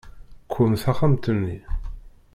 Qwem taxxamt-nni.